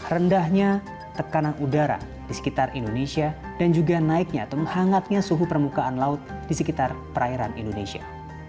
rendahnya tekanan udara di sekitar indonesia dan juga naiknya atau menghangatnya suhu permukaan laut di sekitar perairan indonesia